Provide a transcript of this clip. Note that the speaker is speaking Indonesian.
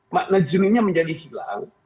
makna juminya menjadi hilang